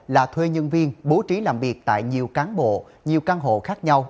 là thuê nhân viên bố trí làm việc tại nhiều cán bộ nhiều căn hộ khác nhau